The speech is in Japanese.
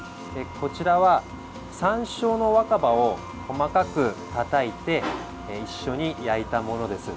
こちらは、さんしょうの若葉を細かくたたいて一緒に焼いたものです。